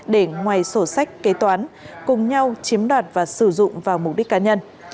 để ngoài sổ sách kế toán cùng nhau chiếm đoạt và sử dụng vào mục đích cá nhân